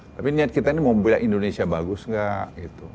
tapi niat kita ini mau memilih indonesia bagus gak